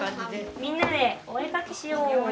みんなでお絵描きしよう！